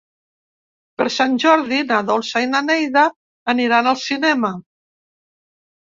Per Sant Jordi na Dolça i na Neida aniran al cinema.